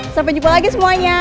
sampai jumpa lagi semuanya